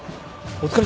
お疲れ。